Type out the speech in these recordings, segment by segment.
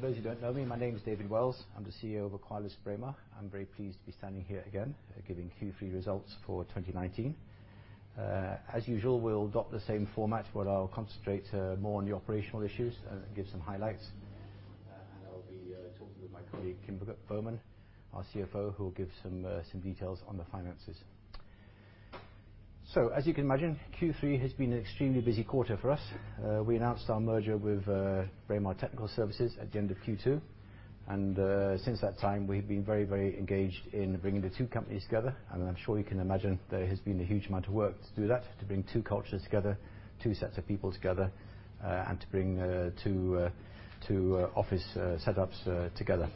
Good morning, everybody. For those who don't know me, my name is David Wells. I'm the CEO of AqualisBraemar. I'm very pleased to be standing here again, giving Q3 results for 2019. As usual, we'll adopt the same format where I'll concentrate more on the operational issues and give some highlights. I'll be talking with my colleague, Kim Boman, our CFO, who will give some details on the finances. As you can imagine, Q3 has been an extremely busy quarter for us. We announced our merger with Braemar Technical Services at the end of Q2. Since that time, we've been very engaged in bringing the two companies together. I'm sure you can imagine there has been a huge amount of work to do that, to bring two cultures together, two sets of people together, and to bring two office setups together.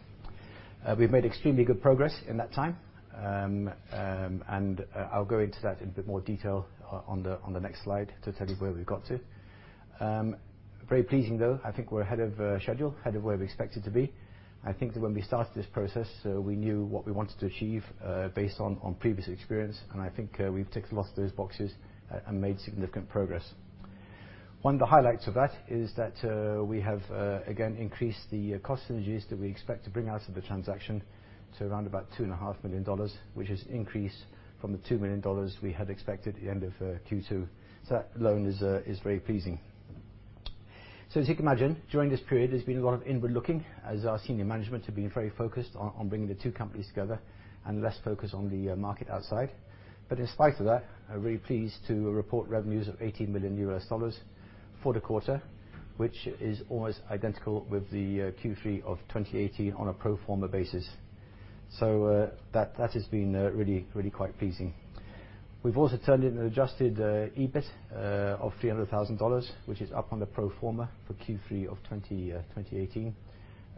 We've made extremely good progress in that time, and I'll go into that in a bit more detail on the next slide to tell you where we've got to. Very pleasing, though. I think we're ahead of schedule, ahead of where we expected to be. I think that when we started this process, we knew what we wanted to achieve, based on previous experience, and I think we've ticked a lot of those boxes and made significant progress. One of the highlights of that is that we have, again, increased the cost synergies that we expect to bring out of the transaction to around about $2.5 million, which has increased from the $2 million we had expected at the end of Q2. That alone is very pleasing. As you can imagine, during this period, there's been a lot of inward-looking as our senior management have been very focused on bringing the two companies together and less focused on the market outside. In spite of that, I'm very pleased to report revenues of $80 million for the quarter, which is almost identical with the Q3 of 2018 on a pro forma basis. That has been really quite pleasing. We've also turned in an adjusted EBIT of $300,000, which is up on the pro forma for Q3 of 2018.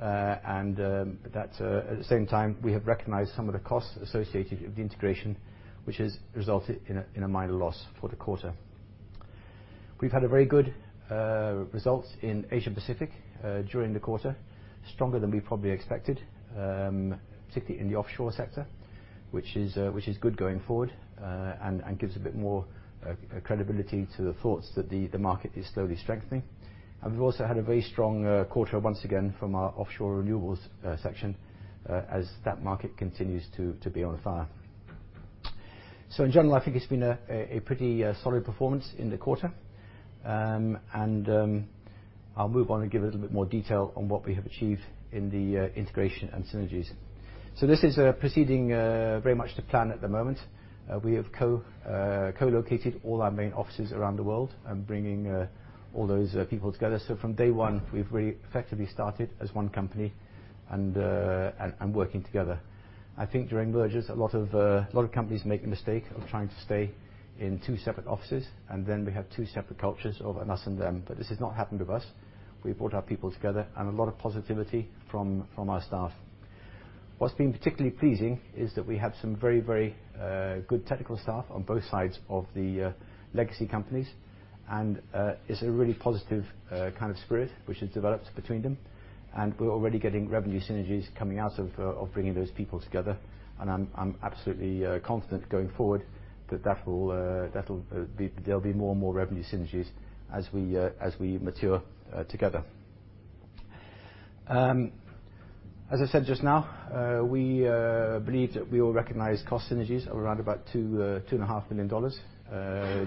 At the same time, we have recognized some of the costs associated with the integration, which has resulted in a minor loss for the quarter. We've had very good results in Asia Pacific during the quarter, stronger than we probably expected, particularly in the offshore sector, which is good going forward, and gives a bit more credibility to the thoughts that the market is slowly strengthening. We've also had a very strong quarter, once again, from our offshore renewables section, as that market continues to be on fire. In general, I think it's been a pretty solid performance in the quarter, and I'll move on and give a little bit more detail on what we have achieved in the integration and synergies. This is proceeding very much to plan at the moment. We have co-located all our main offices around the world and bringing all those people together. From day one, we've very effectively started as one company and working together. I think during mergers, a lot of companies make the mistake of trying to stay in two separate offices, then we have two separate cultures of an us and them. This has not happened with us. We've brought our people together and a lot of positivity from our staff. What's been particularly pleasing is that we have some very good technical staff on both sides of the legacy companies, it's a really positive kind of spirit which has developed between them. We're already getting revenue synergies coming out of bringing those people together. I'm absolutely confident going forward that there'll be more and more revenue synergies as we mature together. As I said just now, we believe that we will recognize cost synergies of around about $2.5 million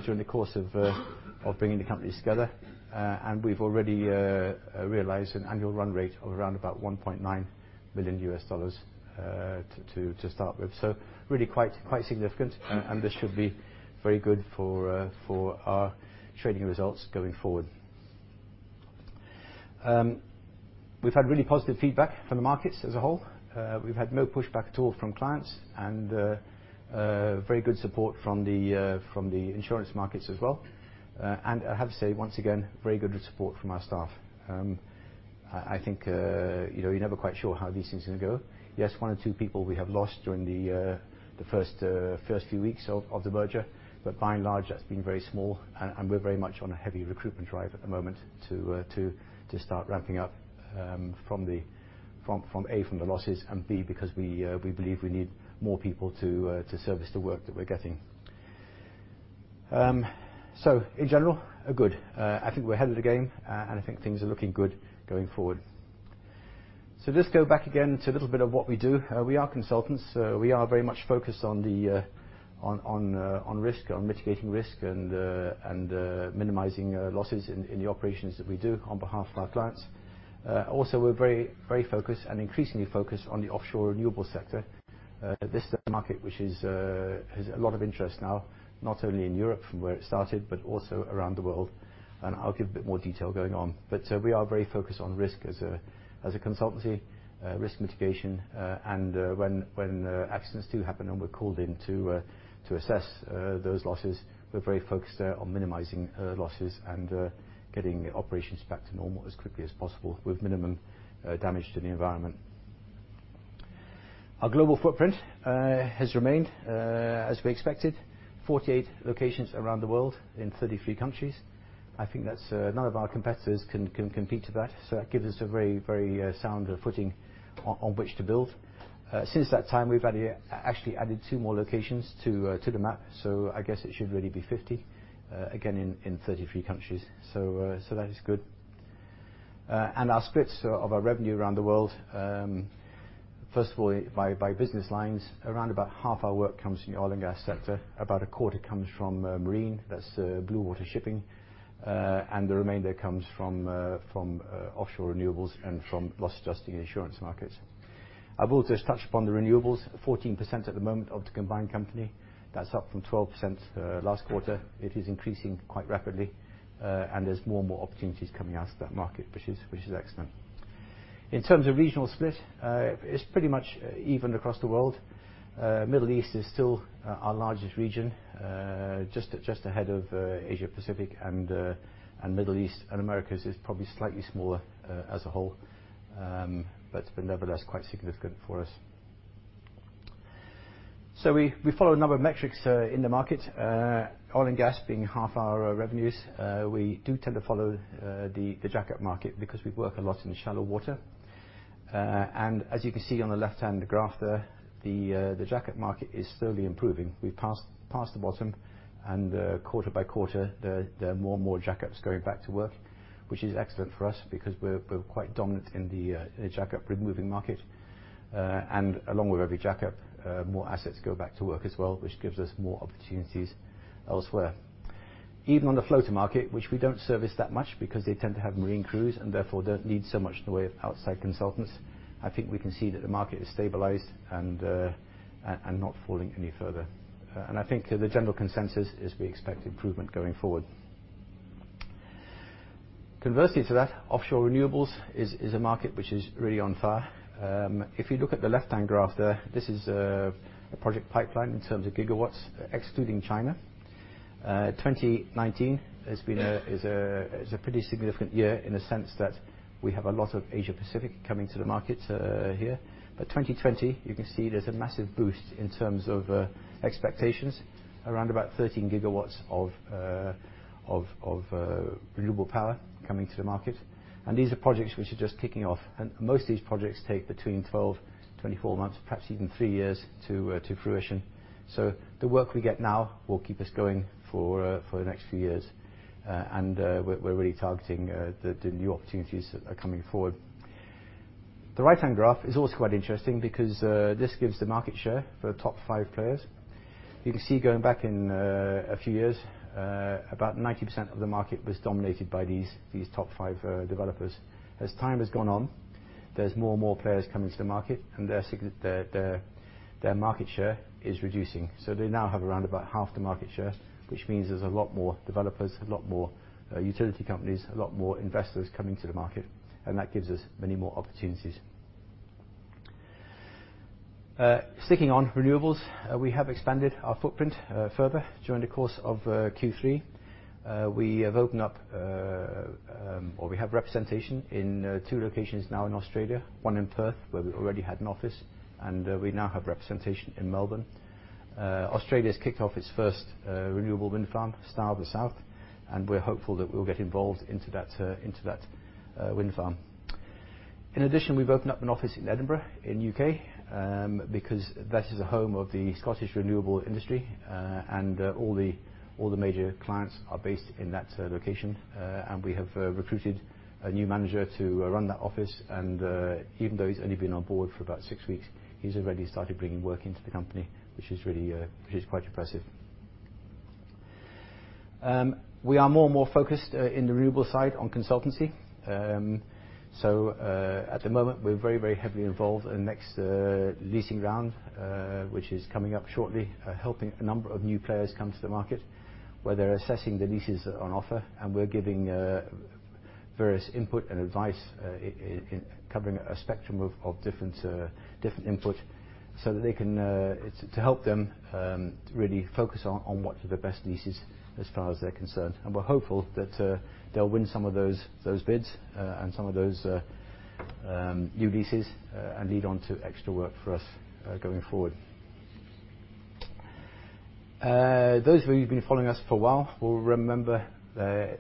during the course of bringing the companies together. We've already realized an annual run rate of around about $1.9 million to start with. Really quite significant, and this should be very good for our trading results going forward. We've had really positive feedback from the markets as a whole. We've had no pushback at all from clients, and very good support from the insurance markets as well. I have to say, once again, very good support from our staff. I think you're never quite sure how these things are going to go. Yes, one or two people we have lost during the first few weeks of the merger. By and large, that's been very small, and we're very much on a heavy recruitment drive at the moment to start ramping up from A, from the losses, and B, because we believe we need more people to service the work that we're getting. In general, good. I think we're ahead of the game, and I think things are looking good going forward. Let's go back again to a little bit of what we do. We are consultants. We are very much focused on risk, on mitigating risk, and minimizing losses in the operations that we do on behalf of our clients. Also, we're very focused and increasingly focused on the offshore renewable sector. This is a market which has a lot of interest now, not only in Europe from where it started, but also around the world. I'll give a bit more detail going on. We are very focused on risk as a consultancy, risk mitigation, and when accidents do happen and we're called in to assess those losses, we're very focused on minimizing losses and getting operations back to normal as quickly as possible with minimum damage to the environment. Our global footprint has remained as we expected, 48 locations around the world in 33 countries. I think none of our competitors can compete to that. That gives us a very sound footing on which to build. Since that time, we've actually added two more locations to the map, so I guess it should really be 50, again, in 33 countries. That is good. Our splits of our revenue around the world. First of all, by business lines, around about half our work comes from the oil and gas sector, about a quarter comes from marine, that's blue water shipping, and the remainder comes from offshore renewables and from loss adjusting insurance markets. I will just touch upon the renewables, 14% at the moment of the combined company. That's up from 12% last quarter. It is increasing quite rapidly, and there's more and more opportunities coming out of that market, which is excellent. In terms of regional split, it's pretty much even across the world. Middle East is still our largest region, just ahead of Asia-Pacific and Middle East. Americas is probably slightly smaller as a whole, but it's been nevertheless quite significant for us. We follow a number of metrics in the market, oil and gas being half our revenues. We do tend to follow the jackup market because we work a lot in shallow water. As you can see on the left-hand graph there, the jackup market is slowly improving. We've passed the bottom and quarter by quarter, there are more and more jackups going back to work, which is excellent for us because we're quite dominant in the jackup removing market. Along with every jackup, more assets go back to work as well, which gives us more opportunities elsewhere. Even on the floater market, which we don't service that much because they tend to have marine crews and therefore don't need so much in the way of outside consultants, I think we can see that the market has stabilized and not falling any further. I think the general consensus is we expect improvement going forward. Conversely to that, offshore renewables is a market which is really on fire. If you look at the left-hand graph there, this is a project pipeline in terms of gigawatts, excluding China. 2019 is a pretty significant year in the sense that we have a lot of Asia-Pacific coming to the market here. 2020, you can see there's a massive boost in terms of expectations, around about 13 gigawatts of renewable power coming to the market. These are projects which are just kicking off, and most of these projects take between 12 to 24 months, perhaps even three years, to fruition. The work we get now will keep us going for the next few years. We're really targeting the new opportunities that are coming forward. The right-hand graph is also quite interesting because this gives the market share for the top five players. You can see going back in a few years, about 90% of the market was dominated by these top five developers. As time has gone on, there's more and more players coming to the market, and their market share is reducing. They now have around about half the market share, which means there's a lot more developers, a lot more utility companies, a lot more investors coming to the market, and that gives us many more opportunities. Sticking on renewables, we have expanded our footprint further during the course of Q3. We have opened up, or we have representation in two locations now in Australia, one in Perth where we already had an office, and we now have representation in Melbourne. Australia has kicked off its first renewable wind farm, Star of the South, and we're hopeful that we'll get involved into that wind farm. In addition, we've opened up an office in Edinburgh in U.K., because that is a home of the Scottish renewable industry, and all the major clients are based in that location. We have recruited a new manager to run that office, and even though he's only been on board for about six weeks, he's already started bringing work into the company, which is quite impressive. We are more and more focused in the renewable side on consultancy. At the moment, we're very, very heavily involved in the next leasing round, which is coming up shortly, helping a number of new players come to the market where they're assessing the leases on offer, and we're giving various input and advice, covering a spectrum of different input, to help them really focus on what are the best leases as far as they're concerned. We're hopeful that they'll win some of those bids and some of those new leases and lead on to extra work for us going forward. Those of you who've been following us for a while will remember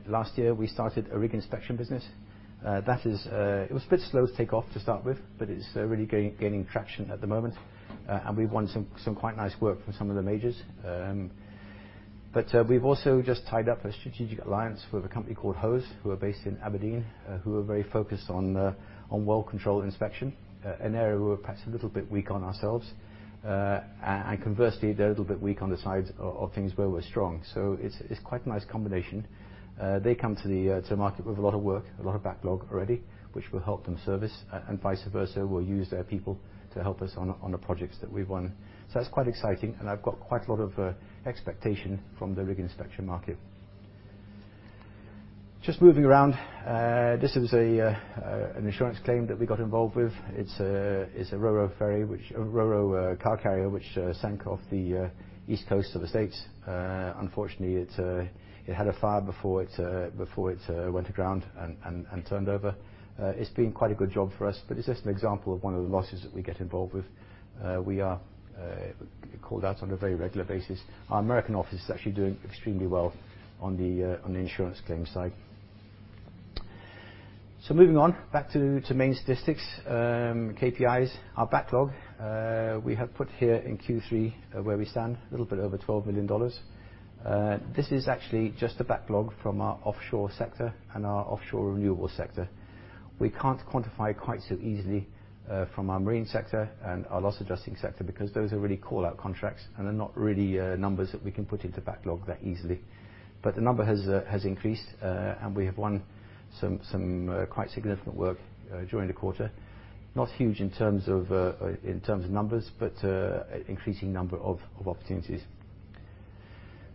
last year we started a rig inspection business. It was a bit slow to take off to start with, it's really gaining traction at the moment, we've won some quite nice work from some of the majors. We've also just tied up a strategic alliance with a company called Hose, who are based in Aberdeen, who are very focused on well control inspection, an area we're perhaps a little bit weak on ourselves. Conversely, they're a little bit weak on the sides of things where we're strong. It's quite a nice combination. They come to the market with a lot of work, a lot of backlog already, which will help them service. Vice versa, we'll use their people to help us on the projects that we've won. That's quite exciting. I've got quite a lot of expectation from the rig inspection market. Just moving around, this is an insurance claim that we got involved with. It's a ro-ro ferry, a ro-ro car carrier which sank off the east coast of the U.S. Unfortunately, it had a fire before it went aground and turned over. It's been quite a good job for us. It's just an example of one of the losses that we get involved with. We are called out on a very regular basis. Our American office is actually doing extremely well on the insurance claims side. Moving on, back to main statistics, KPIs, our backlog. We have put here in Q3 where we stand, a little bit over NOK 12 million. This is actually just a backlog from our offshore sector and our offshore renewable sector. We can't quantify quite so easily from our marine sector and our loss adjusting sector because those are really call-out contracts, and they're not really numbers that we can put into backlog that easily. The number has increased, and we have won some quite significant work during the quarter. Not huge in terms of numbers, but an increasing number of opportunities.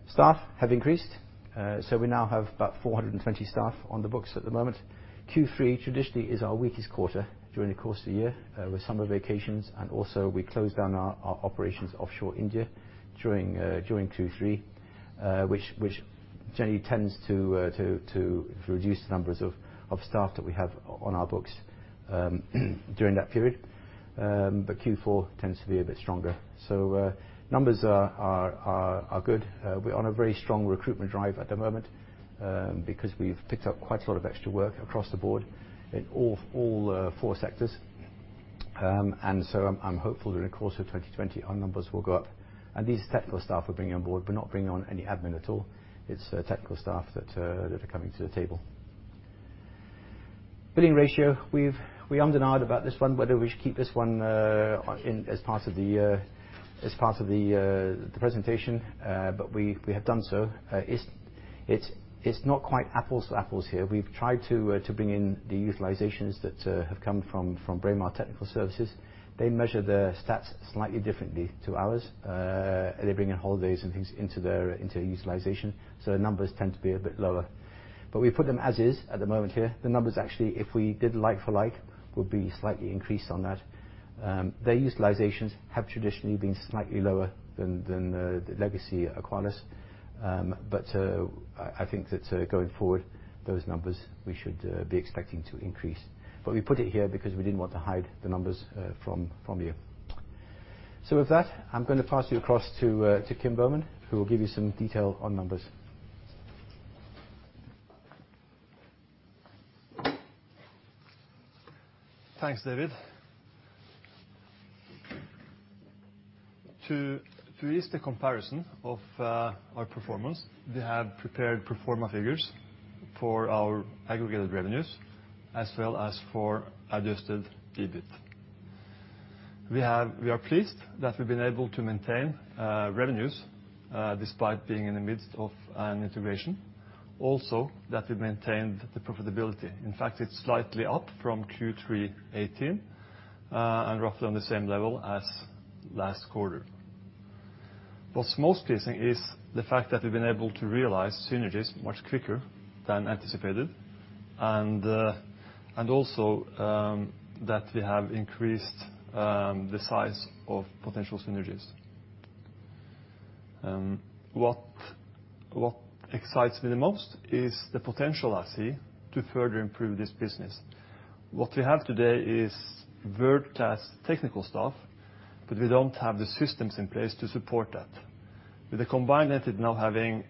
Staff have increased. We now have about 420 staff on the books at the moment. Q3 traditionally is our weakest quarter during the course of the year, with summer vacations and also we close down our operations offshore India during Q3, which generally tends to reduce the numbers of staff that we have on our books during that period. Q4 tends to be a bit stronger. Numbers are good. We're on a very strong recruitment drive at the moment, because we've picked up quite a lot of extra work across the board in all four sectors. I'm hopeful during the course of 2020, our numbers will go up. These technical staff we're bringing on board, we're not bringing on any admin at all. It's technical staff that are coming to the table. Billing ratio. We ummed and ahed about this one, whether we should keep this one in as part of the presentation, but we have done so. It's not quite apples to apples here. We've tried to bring in the utilizations that have come from Braemar Technical Services. They measure their stats slightly differently to ours. They bring in holidays and things into their utilization, so their numbers tend to be a bit lower. We put them as is at the moment here. The numbers actually, if we did like for like, would be slightly increased on that. Their utilizations have traditionally been slightly lower than the legacy Aqualis. I think that going forward, those numbers we should be expecting to increase. We put it here because we didn't want to hide the numbers from you. With that, I'm going to pass you across to Kim Boman, who will give you some detail on numbers. Thanks, David. To ease the comparison of our performance, we have prepared pro forma figures for our aggregated revenues as well as for adjusted EBIT. We are pleased that we've been able to maintain revenues despite being in the midst of an integration, also that we've maintained the profitability. In fact, it's slightly up from Q3 2018, and roughly on the same level as last quarter. What's most pleasing is the fact that we've been able to realize synergies much quicker than anticipated, and also that we have increased the size of potential synergies. What excites me the most is the potential I see to further improve this business. What we have today is Virta's technical staff, but we don't have the systems in place to support that. With a combined entity now having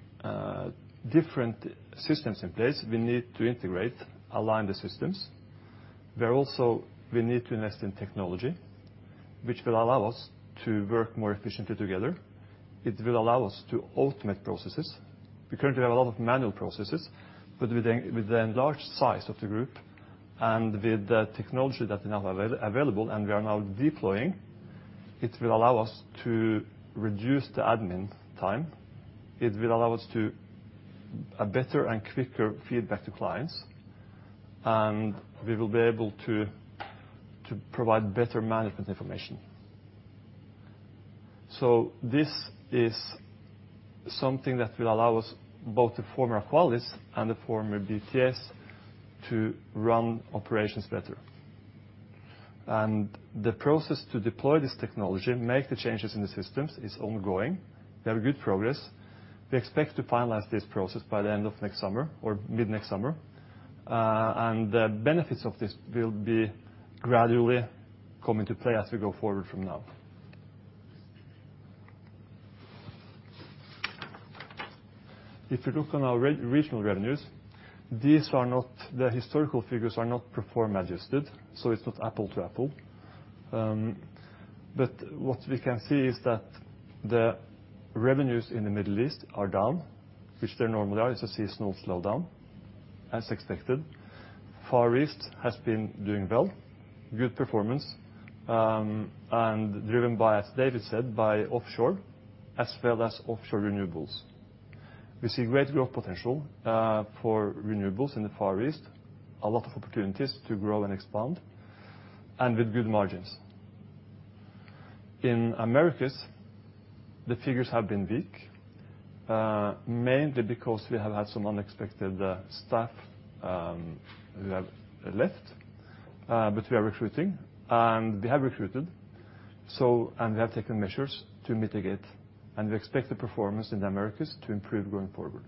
different systems in place, we need to integrate, align the systems, where also we need to invest in technology, which will allow us to work more efficiently together. It will allow us to automate processes. We currently have a lot of manual processes, but with the enlarged size of the group and with the technology that is now available and we are now deploying, it will allow us to reduce the admin time. It will allow us to a better and quicker feedback to clients. We will be able to provide better management information. This is something that will allow us both the former Aqualis and the former BTS to run operations better. The process to deploy this technology, make the changes in the systems, is ongoing. We have a good progress. We expect to finalize this process by the end of next summer or mid-next summer. The benefits of this will be gradually come into play as we go forward from now. If you look on our regional revenues, the historical figures are not pro forma adjusted, so it's not apple to apple. What we can see is that the revenues in the Middle East are down, which they normally are. It's a seasonal slowdown, as expected. Far East has been doing well, good performance, and driven by, as David said, by offshore as well as offshore renewables. We see great growth potential for renewables in the Far East. A lot of opportunities to grow and expand, and with good margins. In Americas, the figures have been weak, mainly because we have had some unexpected staff who have left. We are recruiting, and we have recruited. We have taken measures to mitigate, and we expect the performance in the Americas to improve going forward.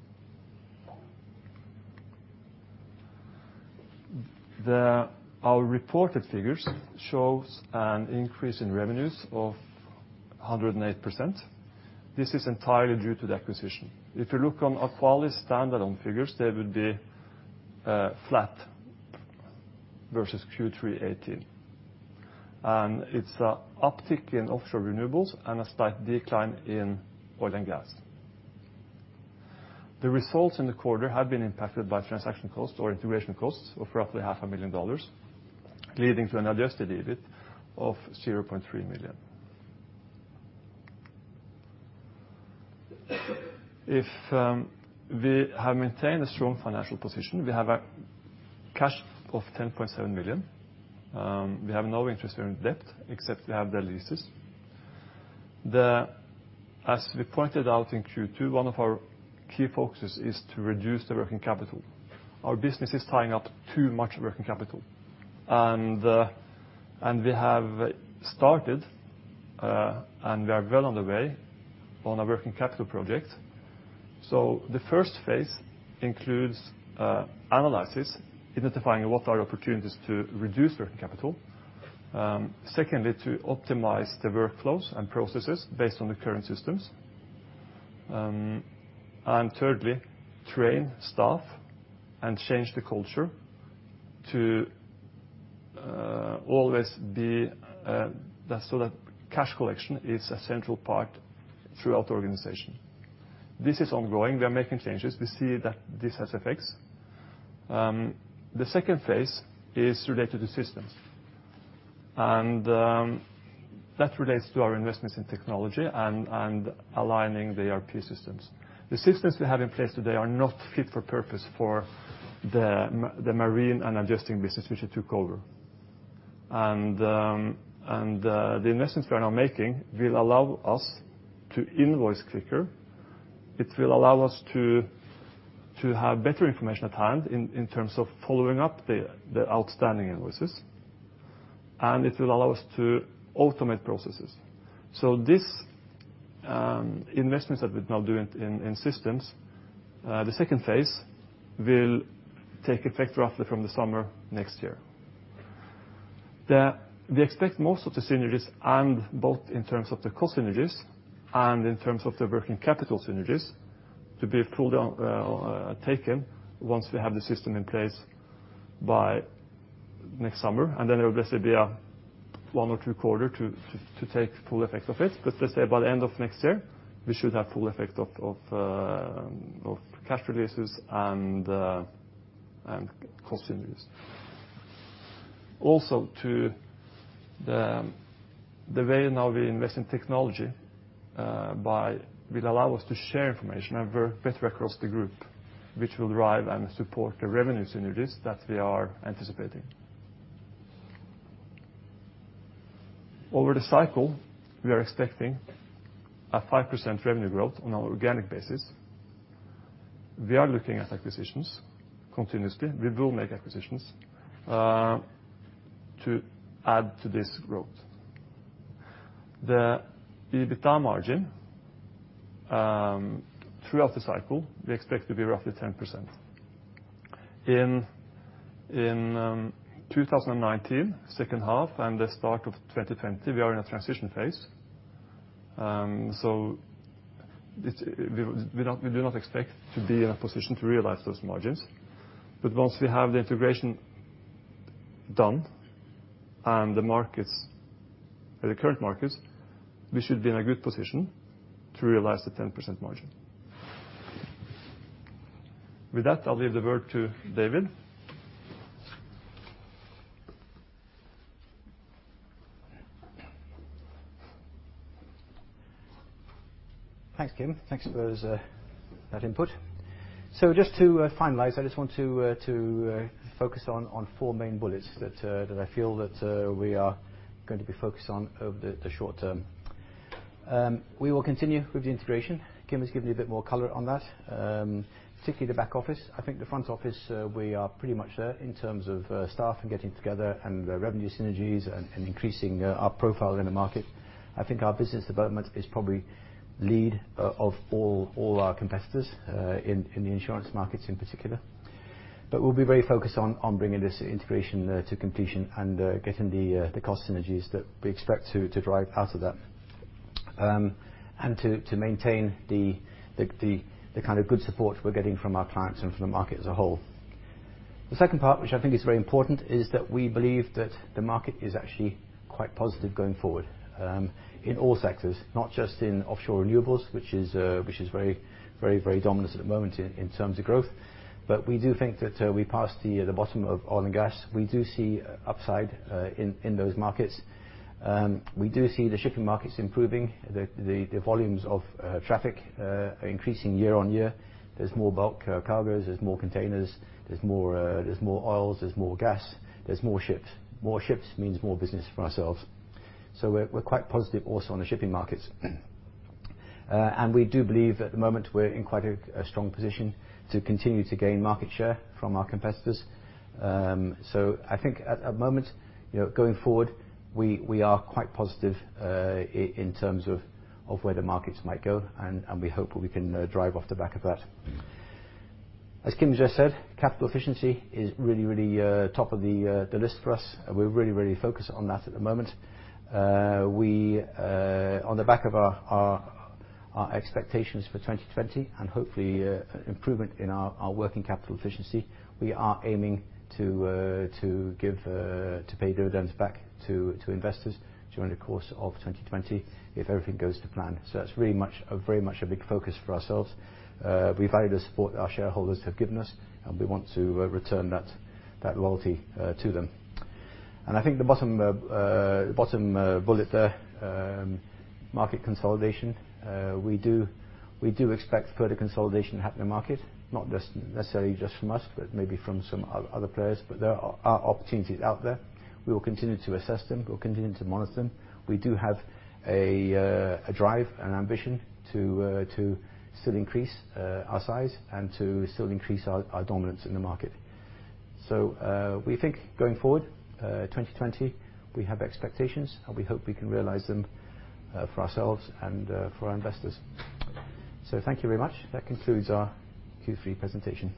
Our reported figures shows an increase in revenues of 108%. This is entirely due to the acquisition. If you look on Aqualis standalone figures, they would be flat versus Q3 2018. It's a uptick in offshore renewables and a slight decline in oil and gas. The results in the quarter have been impacted by transaction costs or integration costs of roughly half a million dollars, leading to an adjusted EBIT of $0.3 million. We have maintained a strong financial position. We have a cash of $10.7 million. We have no interest in debt, except we have the leases. As we pointed out in Q2, one of our key focuses is to reduce the working capital. Our business is tying up too much working capital. We have started, and we are well on the way on a working capital project. The first phase includes analysis, identifying what are opportunities to reduce working capital. Secondly, to optimize the workflows and processes based on the current systems. Thirdly, train staff and change the culture to always be, so that cash collection is a central part throughout the organization. This is ongoing. We are making changes. We see that this has effects. The second phase is related to systems. That relates to our investments in technology and aligning the ERP systems. The systems we have in place today are not fit for purpose for the marine and adjusting business, which we took over. The investments we are now making will allow us to invoice quicker. It will allow us to have better information at hand in terms of following up the outstanding invoices. It will allow us to automate processes. This investments that we're now doing in systems, the second phase will take effect roughly from the summer next year. We expect most of the synergies and both in terms of the cost synergies and in terms of the working capital synergies to be fully taken once we have the system in place by next summer. It will basically be one or two quarter to take full effect of it. Let's say by the end of next year, we should have full effect of cash releases and cost synergies. Also, to the way now we invest in technology will allow us to share information and work better across the group, which will drive and support the revenue synergies that we are anticipating. Over the cycle, we are expecting a 5% revenue growth on an organic basis. We are looking at acquisitions continuously. We will make acquisitions to add to this growth. The EBITDA margin throughout the cycle, we expect to be roughly 10%. In 2019, second half and the start of 2020, we are in a transition phase. We do not expect to be in a position to realize those margins. Once we have the integration done and the current markets, we should be in a good position to realize the 10% margin. With that, I'll leave the word to David. Thanks, Kim. Thanks for that input. Just to finalize, I just want to focus on four main bullets that I feel that we are going to be focused on over the short term. We will continue with the integration. Kim has given you a bit more color on that, particularly the back office. I think the front office, we are pretty much there in terms of staff and getting together and revenue synergies and increasing our profile in the market. I think our business development is probably lead of all our competitors in the insurance markets in particular. We'll be very focused on bringing this integration to completion and getting the cost synergies that we expect to drive out of that. To maintain the kind of good support we're getting from our clients and from the market as a whole. The second part, which I think is very important, is that we believe that the market is actually quite positive going forward in all sectors, not just in offshore renewables, which is very dominant at the moment in terms of growth. We do think that we passed the bottom of oil and gas. We do see upside in those markets. We do see the shipping markets improving. The volumes of traffic are increasing year on year. There's more bulk cargoes, there's more containers, there's more oils, there's more gas, there's more ships. More ships means more business for ourselves. We're quite positive also on the shipping markets. We do believe at the moment we're in quite a strong position to continue to gain market share from our competitors. I think at the moment, going forward, we are quite positive in terms of where the markets might go, and we hope we can drive off the back of that. As Kim just said, capital efficiency is really top of the list for us. We're really focused on that at the moment. On the back of our expectations for 2020 and hopefully improvement in our working capital efficiency, we are aiming to pay dividends back to investors during the course of 2020 if everything goes to plan. That's very much a big focus for ourselves. We value the support our shareholders have given us, and we want to return that loyalty to them. I think the bottom bullet there, market consolidation. We do expect further consolidation happen in the market, not necessarily just from us, but maybe from some other players. There are opportunities out there. We will continue to assess them. We'll continue to monitor them. We do have a drive and ambition to still increase our size and to still increase our dominance in the market. We think going forward, 2020, we have expectations, and we hope we can realize them for ourselves and for our investors. Thank you very much. That concludes our Q3 presentation.